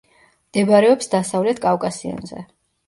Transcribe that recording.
მდებარეობს დასავლეთ კავკასიონზე.